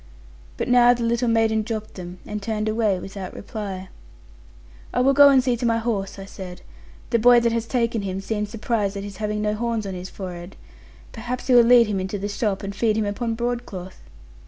But now the little maiden dropped them, and turned away, without reply. 'I will go and see to my horse,' I said; 'the boy that has taken him seemed surprised at his having no horns on his forehead. Perhaps he will lead him into the shop, and feed him upon broadcloth.'